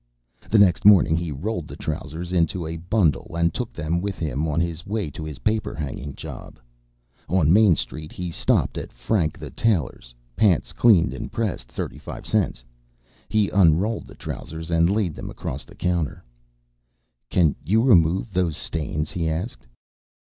The next morning he rolled the trousers in a bundle and took them with him on his way to his paper hanging job. On Main Street he stopped at Frank the Tailor's "Pants Cleaned and Pressed, 35 Cents." He unrolled the trousers and laid them across the counter. "Can you remove those stains?" he asked.